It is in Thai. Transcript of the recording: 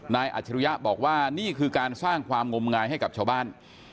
อัจฉริยะบอกว่านี่คือการสร้างความงมงายให้กับชาวบ้าน